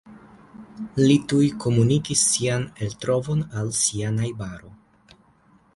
Li tuj komunikis sian eltrovon al sia najbaro.